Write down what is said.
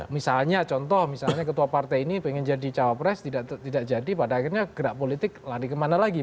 misalnya contoh misalnya ketua partai ini pengen jadi cawapres tidak jadi pada akhirnya gerak politik lari kemana lagi